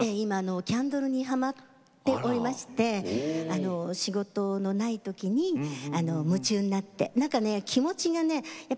キャンドルにはまっていまして仕事がない時に夢中になって気持ちがね